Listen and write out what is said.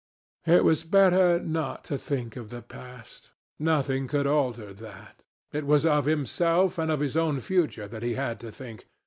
It was better not to think of the past. Nothing could alter that. It was of himself, and of his own future, that he had to think.